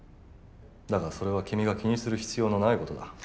だがそれは君が気にする必要のないことだ。